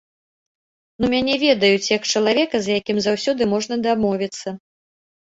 Ну, мяне ведаюць, як чалавека, з якім заўсёды можна дамовіцца.